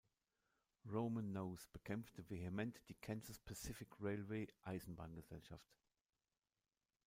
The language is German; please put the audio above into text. Roman Nose bekämpfte vehement die Kansas Pacific Railway Eisenbahngesellschaft.